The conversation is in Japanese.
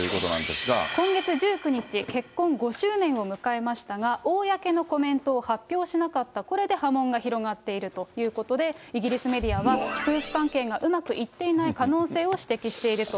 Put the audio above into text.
今月１９日、結婚５周年を迎えましたが、公のコメントを発表しなかった、これで波紋が広がっているということで、イギリスメディアは、夫婦関係がうまくいっていない可能性を指摘していると。